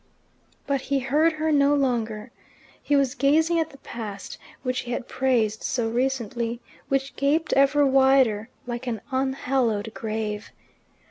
But he heard her no longer. He was gazing at the past, which he had praised so recently, which gaped ever wider, like an unhallowed grave.